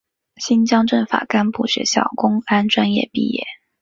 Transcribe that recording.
新疆政法干部学校公安专业毕业。